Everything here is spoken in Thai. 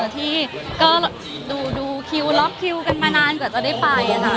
ที่ก็ดูรอบคิวกันมานานเผื่อจะได้ไป